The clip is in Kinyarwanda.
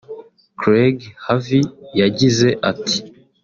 Craig Harvey yagize ati